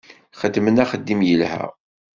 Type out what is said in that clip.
Xedmen axeddim yelha.